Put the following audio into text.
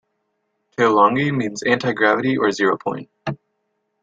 Tauelangi means antigravity or Zero Point.